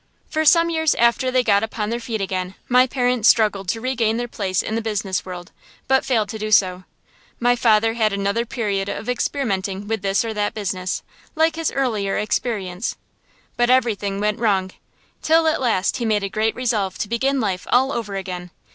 For some years after they got upon their feet again, my parents struggled to regain their place in the business world, but failed to do so. My father had another period of experimenting with this or that business, like his earlier experience. But everything went wrong, till at last he made a great resolve to begin life all over again.